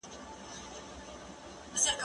ليکنه د زده کوونکي له خوا کيږي